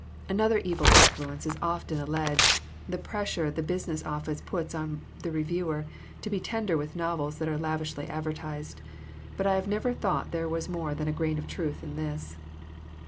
''Another evil influence is often alleged the pressure the business office puts on the reviewer to be tender with novels that are lavishly adver tised, but I have never thought there was more than a grain of truth in this.